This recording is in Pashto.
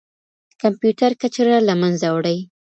کمپيوټر کچره له منځه وړي.